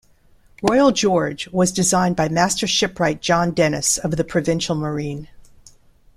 "Royal George" was designed by Master Shipwright John Dennis of the Provincial Marine.